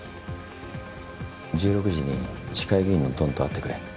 １６時に市会議員のドンと会ってくれ。